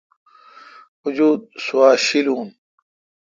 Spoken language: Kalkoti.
اوجوت سوا شی لو۔